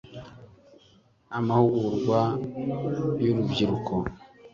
amahugurwa y urubyiruko.